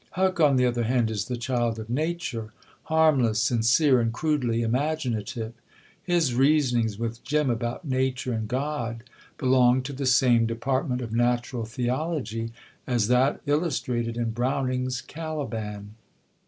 Huck, on the other hand, is the child of nature, harmless, sincere, and crudely imaginative. His reasonings with Jim about nature and God belong to the same department of natural theology as that illustrated in Browning's Caliban.